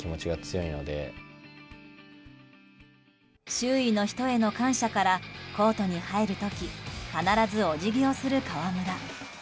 周囲の人への感謝からコートに入る時必ずおじぎをする河村。